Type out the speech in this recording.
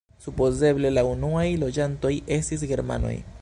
Supozeble la unuaj loĝantoj estis germanoj.